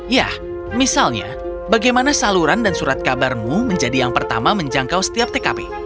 ya misalnya bagaimana saluran dan surat kabarmu menjadi yang pertama menjangkau setiap tkp